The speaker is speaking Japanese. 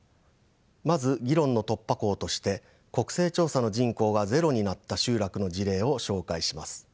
まず議論の突破口として国勢調査の人口がゼロになった集落の事例を紹介します。